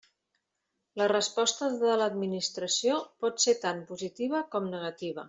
La resposta de l'administració pot ser tant positiva com negativa.